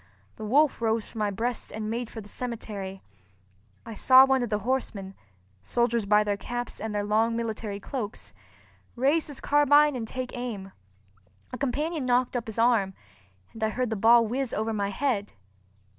The wolf rose from my breast and made for the cemetery. I saw one of the horsemen (soldiers by their caps and their long military cloaks) raise his carbine and take aim. A companion knocked up his arm, and I heard the ball whiz over my head.